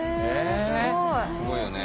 えすごい。